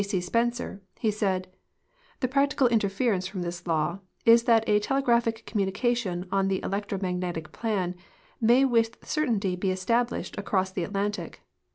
C. Spencer, he said :... The i>ractical inference from this law is that a tele' grai^hic communication on the electro magnetic plan may with certainty be established across the Atlantic.